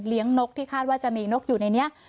นกที่คาดว่าจะมีนกอยู่ในนี้